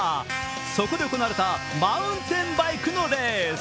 そこで行われたマウンテンバイクのレース。